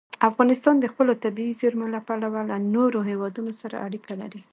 افغانستان د خپلو طبیعي زیرمو له پلوه له نورو هېوادونو سره اړیکې لري.